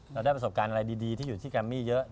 เราได้ประสบการณ์อะไรดีที่อยู่ที่แกรมมี่เยอะ